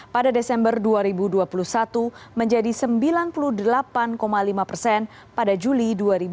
pada desember dua ribu dua puluh satu menjadi sembilan puluh delapan lima persen pada juli dua ribu dua puluh